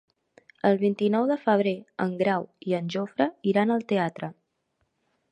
El vint-i-nou de febrer en Grau i en Jofre iran al teatre.